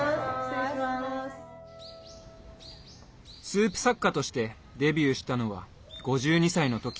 スープ作家としてデビューしたのは５２歳の時。